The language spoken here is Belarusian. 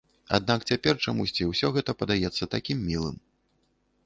Аднак цяпер чамусьці ўсё гэта падаецца такім мілым.